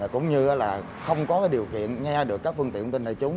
cũng như là không có điều kiện nghe được các phương tiện thông tin đại chúng